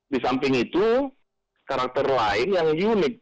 di samping itu karakter lain yang unik untuk danau kita